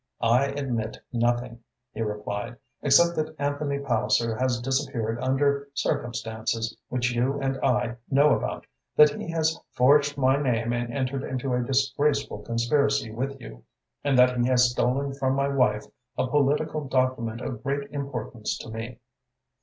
"I admit nothing," he replied, "except that Anthony Palliser has disappeared under circumstances which you and I know about, that he has forged my name and entered into a disgraceful conspiracy with you, and that he has stolen from my wife a political document of great importance to me."